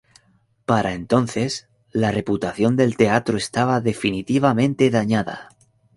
Para entonces, la reputación del teatro estaba definitivamente dañada.